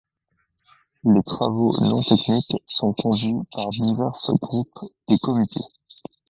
Les travaux non-techniques sont conduits par divers groupes et comités.